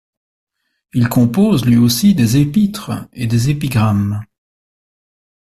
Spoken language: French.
Il compose, lui aussi, des épîtres et des épigrammes.